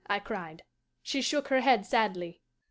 I cried. She shook her head sadly.